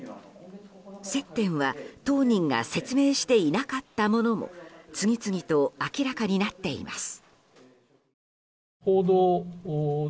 接点は当人が説明していなかったものも次々と明らかになっています。